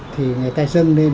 thì người ta dâng lên